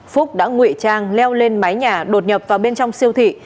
phúc đã ngụy trang leo lên mái nhà đột nhập vào bên trong siêu thị